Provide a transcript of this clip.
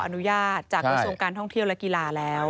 อนุญาตจากกระทรวงการท่องเที่ยวและกีฬาแล้ว